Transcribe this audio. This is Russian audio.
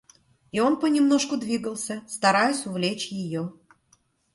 И он понемножку двигался, стараясь увлечь ее.